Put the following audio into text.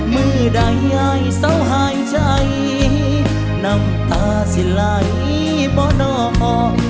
มือได้ยายเสาหายใจน้ำตาเสียไหลเมาหน่อ